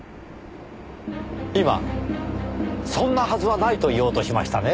今「そんなはずはない」と言おうとしましたね？